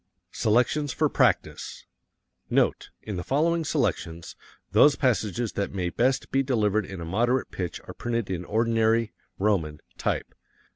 Selections for Practise Note: In the following selections, those passages that may best be delivered in a moderate pitch are printed in ordinary (roman) type.